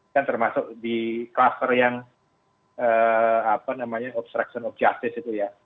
dan termasuk di kluster yang obstruction of justice itu ya